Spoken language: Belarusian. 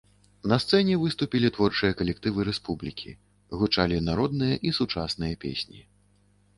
На сцэне выступілі творчыя калектывы рэспублікі, гучалі народныя і сучасныя песні.